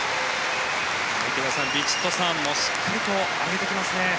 池田さん、ヴィチットサーンもしっかりと上げてきますね。